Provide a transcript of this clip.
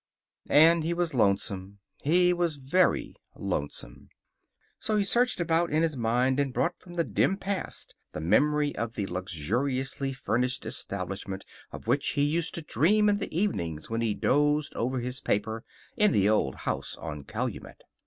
And he was lonesome. He was very lonesome. So he searched about in his mind and brought from the dim past the memory of the luxuriously furnished establishment of which he used to dream in the evenings when he dozed over his paper in the old house on Calumet.